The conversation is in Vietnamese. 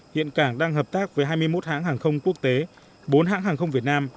hiện cảng đang hợp tác với hai mươi một hãng hàng không quốc tế bốn hãng hàng không việt nam